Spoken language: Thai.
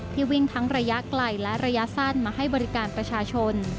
วิ่งทั้งระยะไกลและระยะสั้นมาให้บริการประชาชน